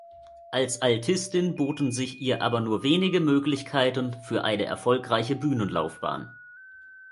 Als Altistin boten sich ihr aber nur wenige Möglichkeiten für eine erfolgreiche Bühnenlaufbahn.